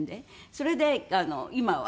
それで今は。